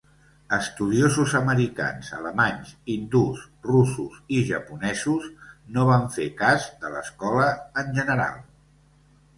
Estudiosos americans, alemanys, hindús, russos i japonesos no van fer cas de l'escola, en general.